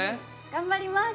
頑張ります！